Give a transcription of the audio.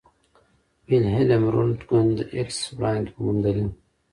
ویلهلم رونټګن د ایکس وړانګې وموندلې.